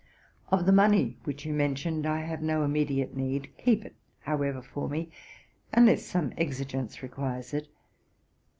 Of the money which you mentioned, I have no immediate need; keep it, however, for me, unless some exigence requires it.